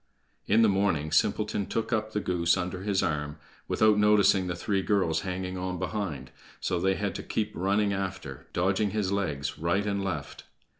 In the morning, Simpleton took up the goose under his arm, without noticing the three girls hanging on behind, so they had to keep running after, dodging his legs right and left.